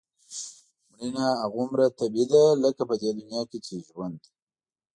مړینه هغومره طبیعي ده لکه په دې دنیا کې چې ژوند.